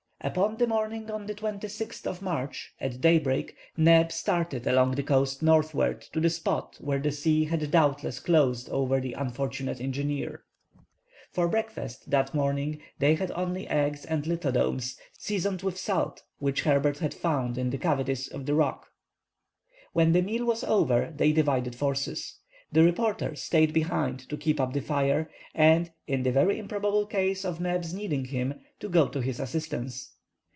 Upon the morning of the 26th of March, at daybreak, Neb started along the coast northward to the spot where the sea had doubtless closed over the unfortunate engineer. For breakfast that morning they had only eggs and lithodomes, seasoned with salt which Herbert had found in the cavities of the rocks. When the meal was over they divided forces. The reporter stayed behind to keep up the fire, and in the very improbable case of Neb's needing him to go to his assistance.